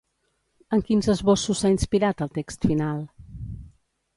En quins esbossos s'ha inspirat el text final?